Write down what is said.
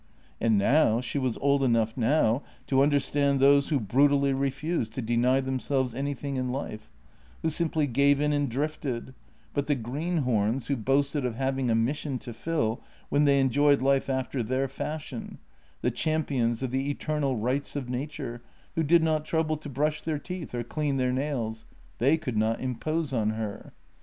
And now — she was old enough now to understand those who brutally refused to deny themselves anything in life — who simply gave in and drifted, but the greenhorns, who boasted of JENNY 89 having a mission to fill, when they enjoyed life after their fashion, the champions of the eternal rights of nature, who did not trouble to brush their teeth or clean their nails — they could not impose on her.